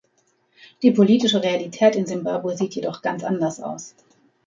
Die politische Realität in Simbabwe sieht jedoch ganz anders aus.